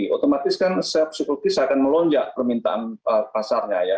otomatis kan psikologis akan melonjak permintaan pasarnya ya